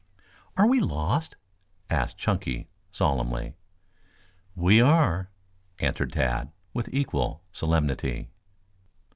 "Are we lost?" asked Chunky solemnly. "We are," answered Tad with equal solemnity.